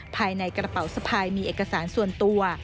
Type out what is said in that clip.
ภายในกระเป๋าสะพายมีเอกสารส่วนตัว